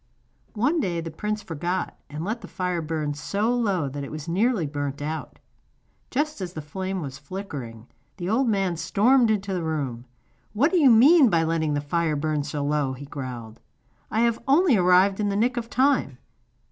One day the prince forgot, and let the fire burn so low that it very nearly burnt out. Just as the flame was flickering the old man stormed into the room. 'What do you mean by letting the fire burn so low?' he growled. 'I have only arrived in the nick of time.